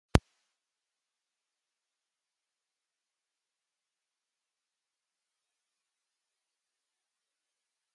She kept his surname as her professional name.